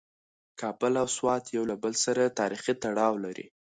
کابل او سوات یو له بل سره تاریخي تړاو لري.